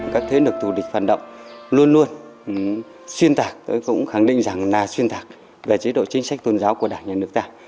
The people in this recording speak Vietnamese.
các thế lực thù địch phản động luôn luôn xuyên tạc tôi cũng khẳng định rằng là xuyên tạc về chế độ chính sách tôn giáo của đảng nhà nước ta